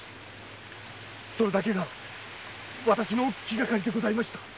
それだけが私の気がかりでございました。